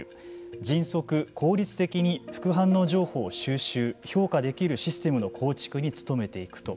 迅速、効率的に副反応情報を収集評価できるシステムの構築に努めていくと。